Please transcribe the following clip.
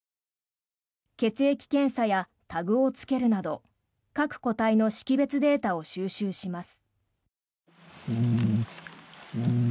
血液検査やタグをつけるなど各個体の識別データを収集します。